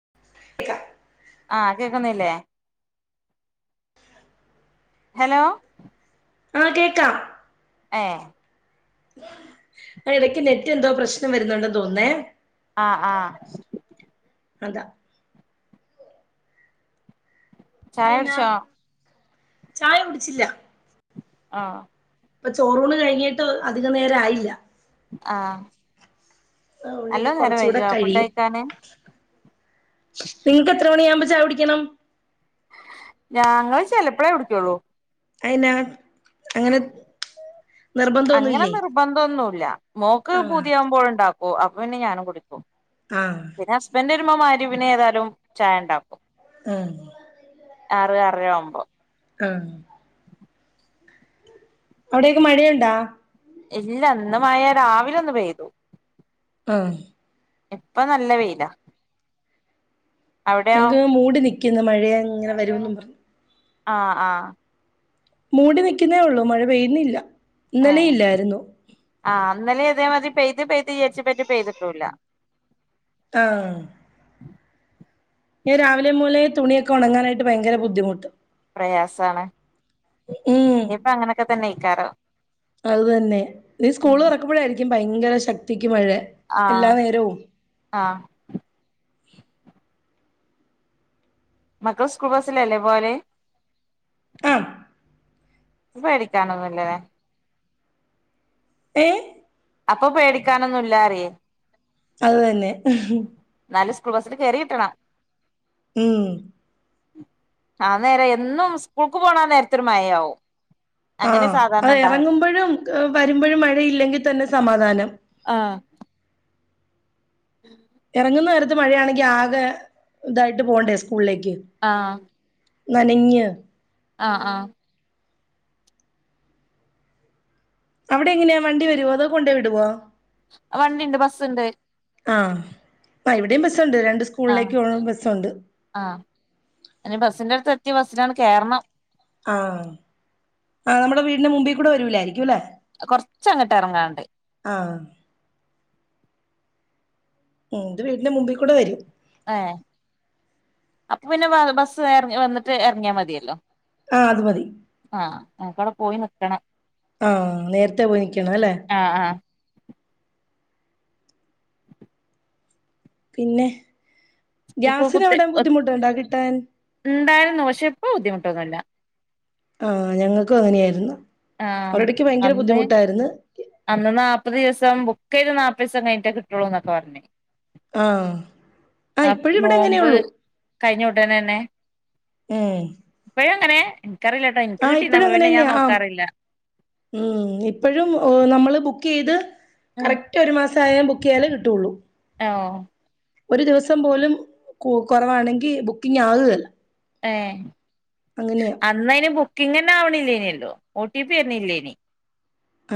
[unintelligible] ആഹ് കേക്കുന്നില്ലേ. ഹലോ? ആഹ് കേക്കാം. ഏഹ് ആ എടക്ക് നെറ്റ് എന്തോ പ്രശ്നം വരുന്നുണ്ടെന്ന് തോന്നേ. ആഹ്, ആഹ് അതാ. ചായ പിന്ന കുടിച്ചോ ചായ കുടിച്ചില്ല. ആഹ് ഇപ്പൊ ചോറൂണ് കഴിഞ്ഞിട്ട് അധികം നേരായില്ല. ആഹ് അതൊണ്ട് നല്ല ഇനി നേരം കൊറച്ചൂട വൈകിയോ ഫുഡ് കഴിയും. കഴിക്കാന് നിങ്ങക്ക് എത്ര മണിയാവുമ്പോ ചായ കുടിക്കണം? ഞങ്ങള് ചെലപ്പോഴേ കുടിക്കുള്ളൂ. അയിനാ അങ്ങനെ നിർബന്ധമൊന്നുമില്ലേ നിർബന്തോന്നുല്ല മോക്ക് ആ പൂതിയാവുമ്പോഴ് ഉണ്ടാകും. ഓ അപ്പൊ പിന്നെ ഞാനും കുടിക്കും. ആഹ് പിന്നെ ഹസ്ബന്റ് രുമ്പോ മഗ്‌രിബ് നു ഏതാലും ചായ ഉണ്ടാക്കും. ആഹ് ആറ് ആറര ആവുമ്പോ ആഹ് അവിടേക്കെ മഴയുണ്ടാ? ഇല്ല ഇന്ന് മഴ രാവിലെ ഒന്ന് പെയ്തു. ആഹ് ഇപ്പൊ നല്ല വെയിലാ. അവിടെയോ ഞങ്ങക്ക് മൂടി നിക്കുന്നു മഴ ഇങ്ങനെ വരമെന്ന് പറഞ്ഞു ആഹ്, ആഹ് മൂടി നിക്കുന്നേ ഒള്ളൂ മഴ പെയ്യുന്നില്ല. ഇന്നലെ ഏഹ്, ഇല്ലായിരുന്നു ആഹ് ഇന്നലെ ഇതേ മാതിരി പെയ്തി, പെയ്ത് വിചാരിച്ചപ്പോ പെയ്തിട്ടൂല്ല. ആഹ് ഇയ്യ് രാവിലെ മുതലെ തുണിയൊക്കെ ഉണങ്ങാനായിട്ട് ഭയങ്കര ബുദ്ധിമുട്ട്. പ്രയാസാണ് ഉം ഇനിപ്പോ അങ്ങനെയൊക്കെ തന്നെ ഏക്കാരം. അത് തന്നെ ഇനി സ്കൂള് തുറക്കുമ്പോഴായിരിക്കും ഭയങ്കര ശക്തിക്ക് മഴ. എല്ലാ ആഹ്, നേരവും ആഹ് മക്കള് സ്കൂൾ ബസ്സിലല്ലേ പോകല്? ആഹ് പേടിക്കാനൊന്നുല്ലാലെ. ഏഹ് അപ്പൊ പേടിക്കാനൊന്നുല്ലറിയേ. അത് തന്നെ. ന്നാലും സ്കൂൾ ബസ്സിൽ കേറിയിട്ടണ. ഉം ആ നേരം എന്നും സ്കൂൾക്ക് പോണ നേരത്തെരു മഴയാവും. അങ്ങനെ ആഹ് സാധാരണ അത് ഉണ്ടാവല് എറങ്ങുമ്പോഴും വരുമ്പോഴും മഴയില്ലെങ്കി തന്നെ സമാധാനം. ആഹ് ഉം എറങ്ങുന്ന നേരത്ത് മഴയാണെങ്കി ആകെ ഇതായിട്ട് പോണ്ടേ സ്കൂളിലേക്ക്. ആഹ് നനഞ്ഞ് ആഹ് ആഹ് അവിടെ എങ്ങനെയാ വണ്ടി വരുവോ അതോ കൊണ്ടോയി വിടുവോ. വണ്ടിണ്ട് ബസ്സുണ്ട്. ആഹ് ആ ഇവിടെയും ബസ്സുണ്ട് രണ്ട് ആഹ് സ്കൂളിലേക്ക് പോ ബസ്സുണ്ട്. ആഹ് അനി ബസ്സിന്റെ അടുത്ത് എത്തിയ ബസ്സിലാണ് കേരണം. ആഹ് ആ നമ്മടെ വീടിന്റെ മുമ്പീ കൂടെ വരൂലായിരിക്കുംല്ലേ. കൊറച്ചങ്ങട്ട് എറങ്ങാണ്ട്. ആഹ ഉ ഇത് വീടിന്റെ മുമ്പിൽ കൂടെ വരും ഏ അപ്പ പിന്നെ വെ ബസ്സ് വെ ഇറ വന്നിട്ട് ഇറങ്ങിയാൽ മതിയല്ലോ ആ അത് മതി ആഹ് ഞങ്ങകവിടെ പോയി നിക്കണം ആഹ നേരത്തെ പോയി നിക്കണ അല്ലേ ആഹ് ആഹ് [inaudible] പിന്നെ ഗ്യാസിന് എവിടെ ബുദ്ധിമുട്ടുണ്ടാ കിട്ടാൻ ഇണ്ടായിരുന്നു പക്ഷെ ഇപ്പോ ബുദ്ധിമുട്ടൊന്നുമില്ല ആ ഞങ്ങൾക്കും അങ്ങനെയായിരുന്നു ആഹ് അവരുടയ്ക്ക് ഭയങ്കര അന്ന് ബുദ്ധിമുട്ടായിരുന്നു അന്ന് നാല്പ്പത് ദിവസം ബുക്ക് ചെയ്ത് നാല്പ്പത് ദിവം കഴിട്ടേ കിട്ടുള്ളൂ എന്നൊക്കെ പറഞ്ഞേ ആ ആ ഇപ്പോഴും ഇവിടെ എങ്ങനെ നോമ്പ് ഉള്ളൂ കഴിഞ്ഞ ഉട്ടനെ തന്നെ ഏ ഇപ്പഴ അങ്ങനെ എനിക്കറിയില്ലട്ടോ എനിക്ക് കിട്ടിനു ഇപ്പോഴും അപ്പ അങ്ങനെ പിന്നെ ഞാൻ തന്നെയാ ആ നോക്കാറിയില്ല ഉം ഇപ്പോഴും നമ്മള് ബുക്ക് ചെയ്ത് ഉം കറക്റ്റ് റ്റ് ഒരു മാസ ആയാ ബുക്ക് ചെയ്യാലോ കിട്ടോയുള്ളൂ ഓ ഒരു ദിവസം പോലും കു കുറവാണെങ്കിൽ ബുക്കിംഗ ആകുകല്ല ഏ അങ്ങനെയാ അന്നയിന് ബുക്കിംഗ് തന്നെ ആണില്ലേനല്ലോ ഒ ടി പി വരുന്നില്ലന്നു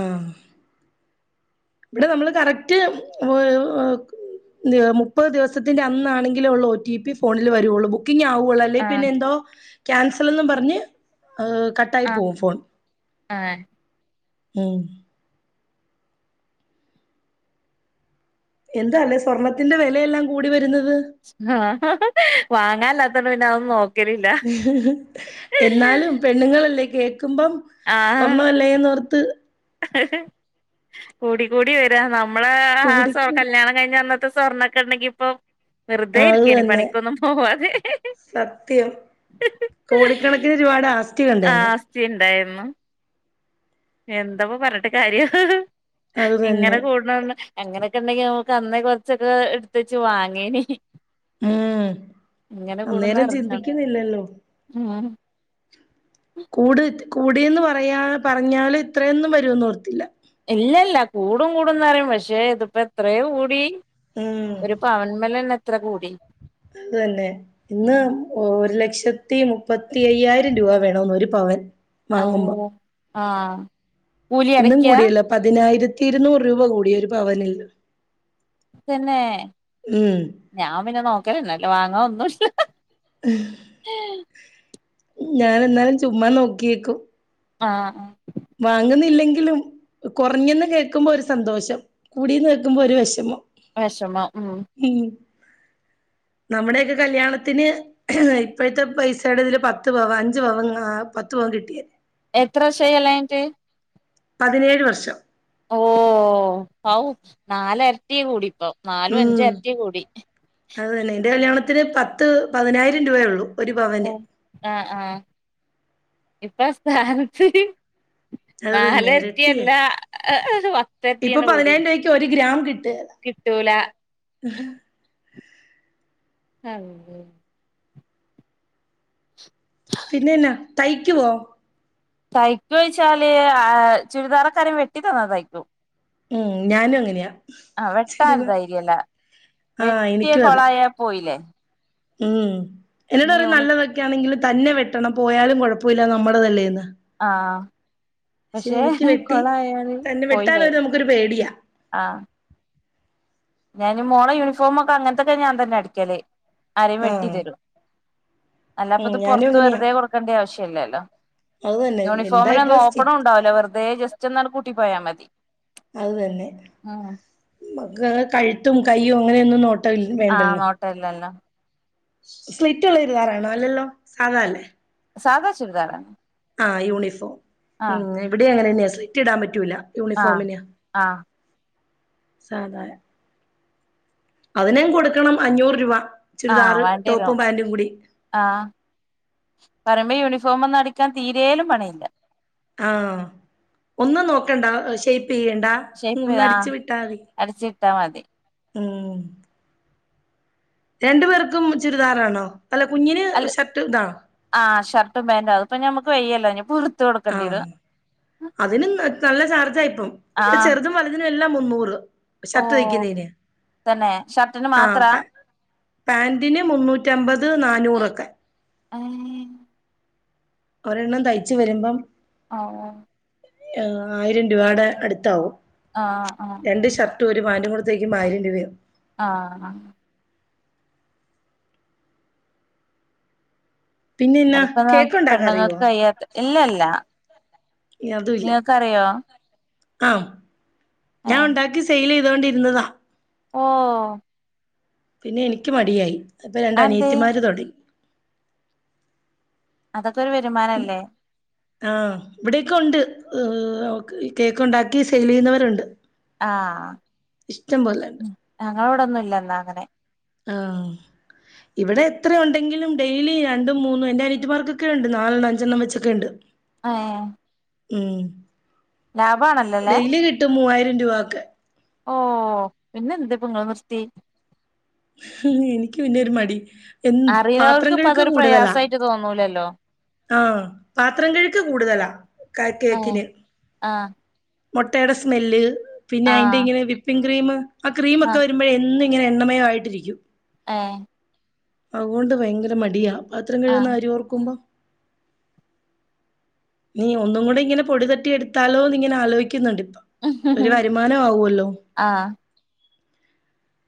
ആഹ ഇവിടെ നമ്മള് കറക്റ്റ് [unintelligible] [unintelligible] മുപ്പത് ദിവസത്തിന്റെ അന്നാണെങ്കില ഉള്ള ഒ ടി പി ഫോണിൽ വരുയുള്ളൂ ബുക്കിംഗ ആവുള്ള അല്ല ആഹ് പിന്നെ എന്തോ ക്യാൻസൽന്ന് പറഞ്ഞ് ഹെ കട്ടായി പോകും ഫോൺ ഏഹ ഉം എന്താ ല്ലേ സ്വർണ്ണത്തിന്റെ വിലയെല്ലാം കൂടി വരുന്നത് ആ വാങ്ങാനല്ലാത്തോണ്ട്‌ പിന്നെഅഹോന്നും നോക്ക ഹ് ഹ് എന്നാലും പെണ്ണുങ്ങളല്ലേ കേൾക്കുമ്പം ആഹ് സ്വർണ്ണ അല്ലേന്ന്ർത്ത് കൂടി കൂടി വരിഅ നമ്മള ആ തുടിക്കും കല്യാണം കഴിഞ്ഞ് അന്നത്തെ സ്വർണ ക്കെണ്ടെങ്കി ഇപ്പൊ അത് വെറുതൊയിരിക്കനി തന്നെ പണിക്കൊന്നും പോവാതെ സത്യം കോടിക്കണക്കിന് രുപയുടെ ആസ്തികണ്ട് ആ ആസ്തി ഇണ്ടായിരുന്നു എന്താപ്പ പറഞ്ഞിട്ട് കാര്യം അത് ഇങ്ങനെ തന്നെ കൂടണന്ന് അങ്ങനെയൊക്കെ ഇണ്ടെങ്കിൽ നമുക്ക് അന്നേ കൊറച്ചൊക്കെ എടുത്ത വച്ച് വാങ്ങീന് ഉം ഇങ്ങനെ അന്നേരം കൂടുന്നറഞ്ഞാണ് ചിന്തിക്കുന്നില്ലല്ലോ ഉ കൂട് കൂടന്ന് പറയാ പറഞ്ഞാലും ഇത്രയൊന്നും വരുമെന്ന് ഓർത്തില്ല ഇല്ല ഇല്ല കൂടും കൂടുംന്ന്റിയും പക്ഷെ ഇതിപ്പോ എത്രയോ കൂടി ഉം ഒരു പവന്മലന്നെ എത്ര കൂടി അത്തന്നെ ഇന്ന് ഒരു ലക്ഷത്തി മുപ്പത്തി അയ്യായിരം രൂപ വേണന്ന് ഒരു പവൻ വാങ്ങുമ്പോ ആവു ആഹ ഇന്നും കൂടിയല്ലോ പതിനായിരത്തി ഇരുന്നൂറ് രൂപ കൂടിയ ഒരു പവനല്ല തന്നെ. ഞാൻ പിന്നെ നോക്കലന്നല്ല വാങ്ങാൻ ഒന്നുംല്ല ഞാൻ എന്നാലും ചുമ്മാ നോക്കിയേക്കും ആഹ് വാങ്ങുന്നില്ലെങ്കിലും കൊറഞ്ഞന്ന് കേൾക്കുമ്പോ ഒരു സന്തോഷം കൂടിന്ന് കേക്കുമ്പോ ഒരു വെഷമം വെഷമം ഉം ഉം നമ്മുടെക്കെ കല്യാണത്തിന് ഇപ്പോഴത്തെ പൈസയുടെ ഇതില് പത്ത് പവൻ അഞ്ചു പവം പത്ത് പവം കിട്ടിയേ. എത്ര വർഷയി കല്യാണം കഴിഞ്ഞിട്ട് പതിനേഴ് വർഷം ഓ പഔ നാലരട്ടി കൂടി ഇപ്പൊ നാലും അഞ്ചരട്ടി കൂടി അതന്നെ എന്റെ കല്യാണത്തിന് പത്ത് പതിനായിരം രൂപയേള്ളൂ ഓ ആഹ് ആഹ് ഇപ്പ സ്ഥാനത്ത് അത് തന്നെ നാലരറ്റിയല്ല ഇരട്ടിയായി ഇപ്പൊ പത്തരറ്റിയെന്ന കൂടി പതിനായിരം രൂപയ്ക്ക് ഒരു ഗ്രാം കിട്ടെലെ കിട്ടൂല ആള്ളഹോ പിന്നെന്നെ തയ്ക്കുവോ തയ്ക്കുച്ചാല് ആ ചുരിദാറൊക്കെ ആരെ വെട്ടി തന്നാ തയ്ക്കും ഉം ഞാനും അങ്ങനെയാ ആഹ് വെട്ടാളേ ചുരിദാ ധൈര്യല്ല ആഹ് വെട്ടിയ എനിക്കും അതെ കൊളായ പോയില്ലേ ഉം എന്നോട് ഇനി പറ യൂണി നല്ലതൊക്കെയാണെങ്കിലും തന്നെ വെട്ടണം പോയാലും കൊഴപ്പല്ല നമ്മുടെ തല്ലേന്ന് ആഹ് പക്ഷെ വെട്ടി കൊളയാല് തന്നെ പോയില്ലേ വെട്ടാനൊരു നമുക്കൊരു പേടിയാ ആഹ് ഞാൻ മോള യൂണിഫോമക്കെ അങ്ങനത്തൊക്കെ ഞാൻ തന്നെ അടിക്കല് ആരെ വെട്ടി ആഹ് തരും ഉം അല്ലാപ്പത് ഞാനും പൊറത്ത് അങ്ങനെയാ വെറുതെ കൊടുക്കേണ്ടി ആവശ്യല്ലല്ലോ അത് തന്നെ എന്താ ഇപ്പൊ യൂണിഫോമിനൊന്നും സ്റ്റി ഓപ്പണുംണ്ടാവല്ല വെറുതെ ജസ്റ്റ് ഒന്ന് കൂട്ടി പോയാ മതി അത് തന്നെ. ഉം മക്കളെ കഴുത്തും കൈയ്യും അങ്ങനെയൊന്നും നോ ആഹ് നോട്ടല്ലല്ലോ സ്ലിറ്റ ഉള്ള ചുരിതാറാണോ അല്ലല്ലോ സാധ അല്ലേ സാധാ ചുരിദാറാണ് ആഹ് യൂണിഫോം ഉം ആഹ് ഇവിടെ അങ്ങനെന്നെ സിറ്റ് ഇടാൻ പറ്റൂല ആഹ് യൂണിഫോമെനെയ ആഹ് സാധായ അതിനും കൊടുക്കണം അഞ്ഞൂറ് രൂപ ആഹ് ചുരിദാറ് വേണ്ടിവരും ടോപ്പും പാന്റും കൂടി ആഹ് പറിമ്പൊ യൂണിഫോംമൊന്നും അടിക്കാൻ തീരേലും പണിയില്ല ആഹ് ഒന്നും നോക്കണ്ട ഷേപ്പ് യ്യേണ്ട ഷേപ്പ് ആഹ് ഒന്നടിച്ചു വിട്ടാതി അടിച്ചിട്ടാ മതി ഉം രണ്ടു പേർക്കും ചുരിദാറാണോ അല്ല കുഞ്ഞിന് അല്ല ഷർട്ട് ഇതാണോ ആഹ് ഷർട്ടും പാന്റും അത്പ്പൊ നമുക്ക് വെയ്യല്ലോ നി പു ആഹ് അതിനും നല്ല ചാർജായിപ്പം ഇവിടെ ആഹ് ചെറ്തും വലതിനും എല്ലാം മുന്നൂറ് ഷർട്ട് ഓഹ് തൈയ്ക്കുന്നെന് തന്നെ ഷർട്ടിന് ആ മാത്രാ പാന്റിന് മുന്നൂറ്റിമ്പത് നാന്നൂറൊക്കെ അ ഒരെണ്ണം തൈയ്ച്ച് വരുമ്പം ഓ ഓ ആഹ് ആയിരം രൂപയുടെ അടുത്താവും ആഹ് ആഹ് രണ്ട് ഷർട്ട് ട്ട് ഒരു പാന്റും കൂടെ തൈകുമ്പം ആയിരം രൂപവരും ആഹ് ആഹ് പിന്നെ എന്നാ അതിപ്പോ കേക്ക് ഉണ്ടാക്കാൻ അറിയോ പെണ്ണുങ്ങൾക്ക് കയ്യാത്ത ഇല്ലല്ല നിങ്ങൾക്കറിയോ ആഹ് ഏ ഞാൻ ഉണ്ടാക്കി സെയിൽ ചെയ്തോണ്ടിരുന്നതാ ഓ പിന്നെ എനിക്ക് മടിയായി ഇപ്പം രണ്ട് അതെന്തേ അനിയത്തിമാർ തുടങ്ങി അതൊക്കെ ഒരു വരുമാനല്ലേ ആഹ് ഇവിടേക്കെ ഉണ്ട് കേക്ക് ഉണ്ടാക്കി സെയിൽ ചെയ്യുന്നവരുണ്ട് ആഹ് ഇഷ്ടംപോലെ ഞങ്ങളവിടൊന്നും ഇല്ലന്നാ അങ്ങനെ ആഹ് ഇവിടെ എത്ര ഉണ്ടെങ്കിലും ഡെയിലി രണ്ടും മൂന്നും എന്റെ അനിയത്തിമാർക്കൊക്കെ ഉണ്ട് നാലെണ്ണം അഞ്ചെണ്ണം വെച്ചൊക്കെ ഉണ്ട് ഏഹ് ഉം ലാഭാണല്ലോല്ലേ ഡെയിലി കിട്ടും മൂവായിരം രൂപ ഒക്കെ ഓ പിന്നെ എന്ത് ഇപ്പോ ഇങ്ങള് നിർത്തി എനിക്ക് പിന്നൊരു മടി എൻ പാത്രം അറിയുന്നവർക്ക് ഇപ്പ കഴുക്ക് അതൊരു കൂടുതലാ പ്രയാസായിട്ട് തോന്നൂലല്ലോ ആഹ് പാത്രം കഴുക്ക് കൂടുതലാ ക കേക്കിന് ആഹ് മുട്ടയുടെ സ്മെല്ല് പിന്നെ ആ അയിന്റെ ഇങ്ങനെ വിപ്പിംങ് ക്രീം ആ ക്രീം ഒക്കെ വരു മ്പോ എന്നും ഇങ്ങനെ എണ്ണമയോ ആയിട്ടിരിക്കും ഏഹ് അതുകൊണ്ട് ഭയങ്കര മടിയാ പാത്രം ആ കഴുകുന്ന കാര്യം ഓർക്കുമ്പം ഇനി ഒന്നും കൂടി ഇങ്ങനെ പൊടി തട്ടി എടുത്താലോന്ന് ഇങ്ങനെ ആലോയിക്കുന്നുണ്ട് ഇപ്പൊ ഒരു വരുമാനം ആവുവല്ലോ ആ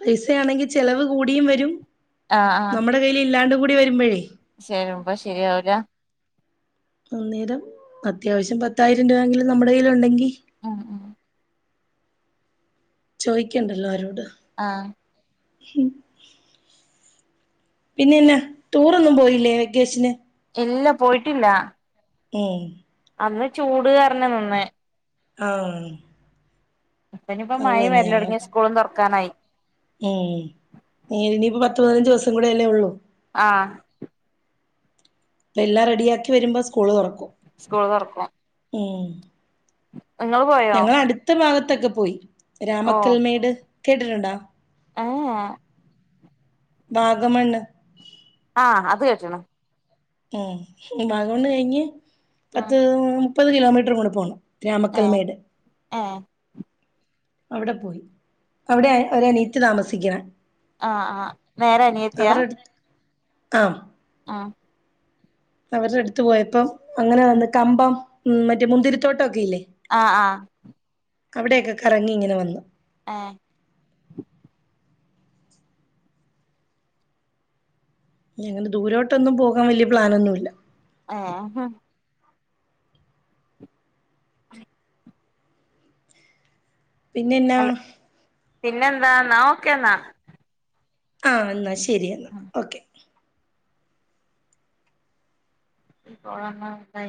പൈസയാണെങ്കിൽ ചിലവ് കൂടിയും വരും ആ നമ്മുടെ കൈയിൽ ഇല്ലാണ്ട് കൂടി വരുമ്പോഴേ ചെയ്യുമ്പോ ശരിയാവുല അന്നേരം അത്യാവശ്യം പത്തായിരം രൂപ എങ്കിലും നമ്മുടെ കൈയിൽ ഉണ്ടെങ്കിൽ ഉം ഉം ചോയിക്കണ്ടല്ലോ അരോട് ആഹ് ഉം പിന്നെന്നാ ടൂറൊന്നും പോയില്ലേ വെക്കേഷന് ഇല്ല പോയിട്ടില്ല ഏഹ് അന്ന് ചൂടുകാരണ നിന്ന് ആഹ് അപ്പ ഇനിപ്പൊ അത് മയയും തന്നെ വരലുടങ്ങി ഞങ്ങൾക്ക് സ്കൂളും തുറക്കാനായി ഉം ഇ ഇനിയിപ്പോ പത്ത് പതിനഞ്ച് ദിവസം കൂടിയല്ലേ ഒള്ളൂ ആഹ് എല്ലാം റെഡിയാക്കി വരുമ്പോ സ്കൂള് തുറക്കും സ്കൂൾ തൊറക്കും ഉം പോയോ ഞങ്ങള് അടുത്ത ഭാഗത്തൊക്കെ പോയി രാമക്കൽമേട് കേട്ടിട്ടുണ്ടാ ഏഹ വാഗമണ്ണ് ആഹ് അത് കേട്ട്ണ് ഉം വാഗമണ്ണ് കഴിഞ്ഞ് ഉം പത്ത് മുപ്പത് കിലോമീറ്റർ കൂടെ പോണം ഏ രാമക്കൽമേട് ഏ അവിടെ പോയി അവിടെ അവരെ അനിയത്തി താമസിക്ക്ണ ആഹ് ആഹ് നേരെ അനിയത്തിയ അടുത്ത് ആഹ് ആഹ് അവരെ അടുത്ത് പോയപ്പം അങ്ങനെ ഉം വന്ന് കമ്പം ഉം മറ്റേ മുന്തിരിത്തോട്ടം ഒക്കെ ഇല്ലേ ആഹ് ആഹ് അവിടെയൊക്കെ കറങ്ങി ഇങ്ങനെ വന്നു ആഹ് ഞങ്ങനെ തുരോട്ടൊന്നും പോകാൻ വലിയ പ്ലാനൊന്നുല്ല ആഹ് ഹ് [inaudible] പിന്നെന്നാ അല്ല പിന്നെന്താ ന്നാ ഓക്കെന്നാ ആഹ് എന്നാ ശരി ഓക്കെന്നാ ഓക്കെ [unintelligible]